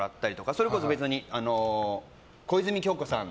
それこそ小泉今日子さん